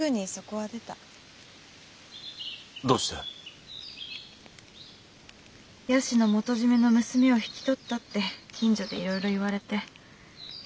香具師の元締めの娘を引き取ったって近所でいろいろ言われて申し訳なくて。